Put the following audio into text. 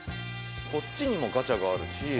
「こっちにもガチャがあるし」